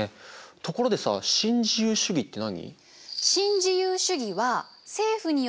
ところでさ新自由主義って何？